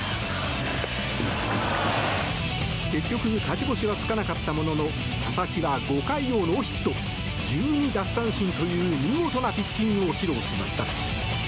結局勝ち星はつかなかったものの佐々木は５回をノーヒット、１２奪三振という見事なピッチングを披露しました。